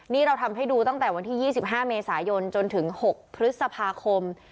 นี่เราทำให้ดูตั้งแต่วันที่๒๕เมษายนจนถึง๖พฤษภาคม